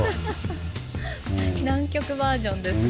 南極バージョンですね。